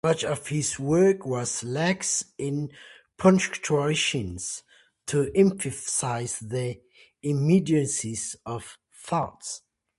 Much of his work was lax in punctuation to emphasize the immediacy of thought.